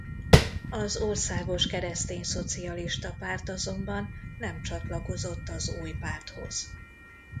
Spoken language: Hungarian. Az Országos Keresztényszocialista Párt azonban nem csatlakozott az új párthoz.